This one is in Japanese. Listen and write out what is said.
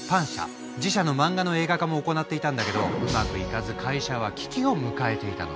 自社の漫画の映画化も行っていたんだけどうまくいかず会社は危機を迎えていたの。